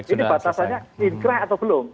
ini batasannya inkrah atau belum